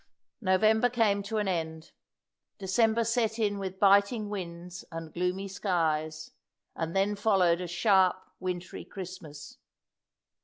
'" November came to an end. December set in with biting winds and gloomy skies, and then followed a sharp, wintry Christmas.